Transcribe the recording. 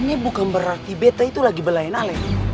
ini bukan berarti bete itu lagi belain ale